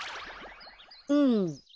うん。